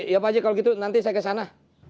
ya pakcik kalau gitu nanti saya ke sana